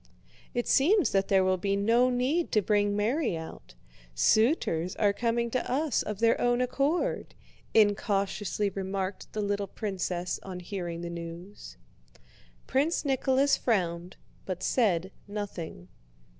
"It seems that there will be no need to bring Mary out, suitors are coming to us of their own accord," incautiously remarked the little princess on hearing the news. Prince Nicholas frowned, but said nothing.